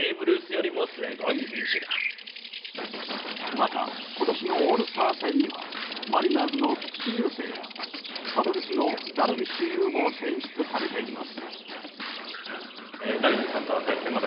また、今年のオールスター戦にはマリナーズの菊池雄星やパドレスのダルビッシュ有も選出されています。